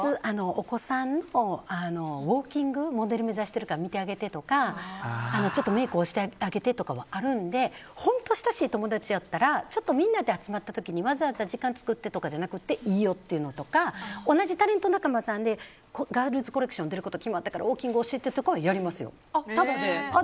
お子さんのウォーキングモデル目指してるから見てあげてとかちょっとメイク教えてあげてとかあるので本当に親しい友達やったらみんなで集まった時に、わざわざ時間つくってとかじゃなくていいよっていうのとか同じタレント仲間さんでガールズコレクション出ること決まったからウォーキング教えてとかは言われますよ。